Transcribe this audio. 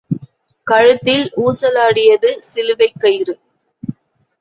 கழுத்தில் ஊசலாடியது சிலுவைக் கயிறு.